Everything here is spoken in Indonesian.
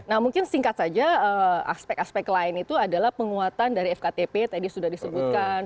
nah mungkin singkat saja aspek aspek lain itu adalah penguatan dari fktp tadi sudah disebutkan